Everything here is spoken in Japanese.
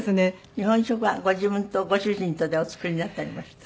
日本食はご自分とご主人とでお作りになったりもした？